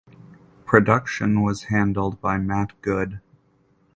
Production was handled by Matt Good.